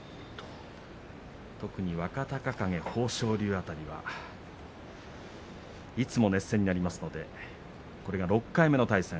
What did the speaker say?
特に、若隆景、豊昇龍辺りはいつも熱戦になりますのでこれが６回目の対戦。